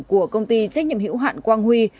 của công ty trách nhiệm hữu hạn quang huy